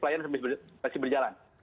jadi masih berjalan